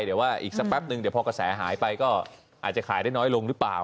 เดี๋ยวว่าอีกสักแป๊บนึงเดี๋ยวพอกระแสหายไปก็อาจจะขายได้น้อยลงหรือเปล่า